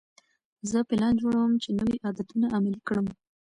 زه پلان جوړوم چې نوي عادتونه عملي کړم.